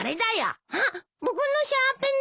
あっ僕のシャーペンです！